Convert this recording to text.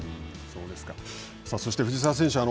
そして藤澤選手